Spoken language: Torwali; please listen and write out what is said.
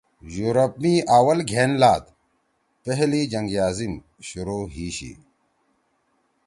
یورپ می آول گھین لات)پہلی جنگ عظیم( شروع ہی شی